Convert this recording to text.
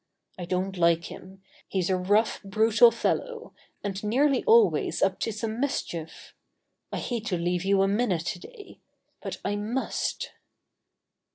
I don't like him. He's a rough, brutal fellow, and nearly always up to some mischief. I hate to leave you a minute today. But I must."